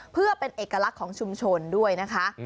เพื่อเป็นเอกลักษณ์ของชุมชนด้วยนะคะ